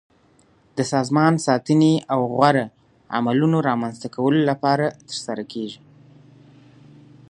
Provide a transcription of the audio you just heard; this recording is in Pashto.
د سازمان ساتنې او غوره عملونو رامنځته کولو لپاره ترسره کیږي.